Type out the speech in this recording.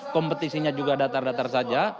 kompetisinya juga datar datar saja